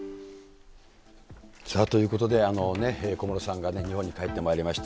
ということで、小室さんが日本に帰ってまいりました。